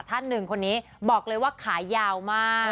ท่านหนึ่งคนนี้บอกเลยว่าขายาวมาก